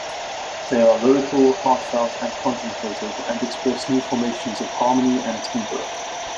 They are lyrical, heartfelt and contemplative, and express new formations of harmony and timbre.